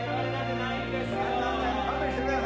勘弁してくれよ！